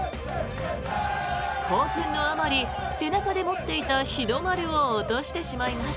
興奮のあまり背中で持っていた日の丸を落としてしまいます。